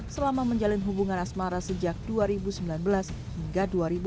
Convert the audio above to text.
selama menjalin hubungan asmara sejak dua ribu sembilan belas hingga dua ribu dua puluh